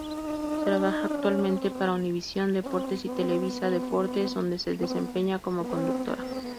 Trabaja actualmente para Univisión Deportes y Televisa Deportes donde se desempeña como conductora.